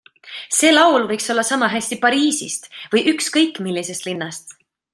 See laul võiks olla samahästi Pariisist või ükskõik, millisest linnast.